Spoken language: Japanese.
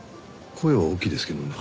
声は大きいですけどね。